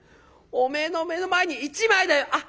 おめえの目の前に１枚だよ！」。